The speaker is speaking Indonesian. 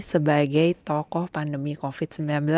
sebagai tokoh pandemi covid sembilan belas